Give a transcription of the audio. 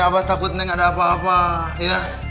abah takut neng ada apa apa iya